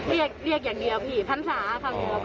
เรียกอย่างเดียวผิดพันธุ์สาวค่ะ